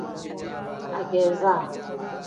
Ageeza.